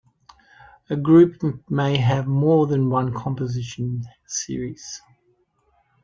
A group may have more than one composition series.